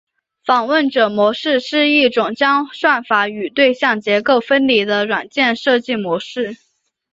访问者模式是一种将算法与对象结构分离的软件设计模式。